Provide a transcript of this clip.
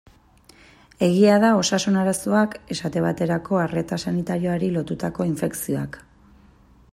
Egia da osasun arazoak, esate baterako arreta sanitarioari lotutako infekzioak.